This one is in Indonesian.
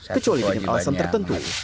kecuali dengan alasan tertentu